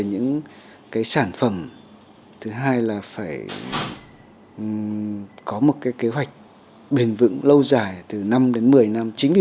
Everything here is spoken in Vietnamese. những cái sản phẩm thứ hai là phải có một cái kế hoạch bền vững lâu dài từ năm đến một mươi năm chính vì